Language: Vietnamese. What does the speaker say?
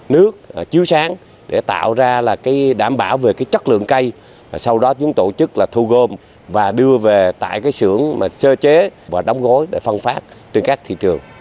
nước chiếu sáng để tạo ra là cái đảm bảo về cái chất lượng cây sau đó chúng tổ chức là thu gom và đưa về tại cái xưởng sơ chế và đóng gói để phân phát trên các thị trường